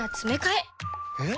えっ？